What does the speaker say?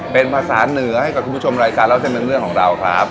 เป็นภาษาเหนือให้กับคุณผู้ชมรายการเล่าเส้นเป็นเรื่องของเราครับ